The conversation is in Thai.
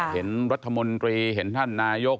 เห็นรัฐมนตรีเห็นท่านนายก